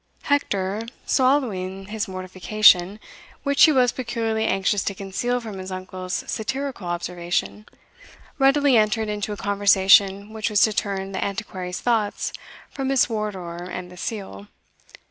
Hector, swallowing his mortification, which he was peculiarly anxious to conceal from his uncle's satirical observation, readily entered into a conversation which was to turn the Antiquary's thoughts from Miss Wardour and the seal.